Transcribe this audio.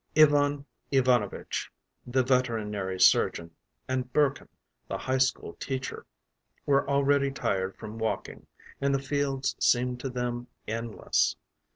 Ivan Ivanovitch, the veterinary surgeon, and Burkin, the high school teacher, were already tired from walking, and the fields seemed to them endless.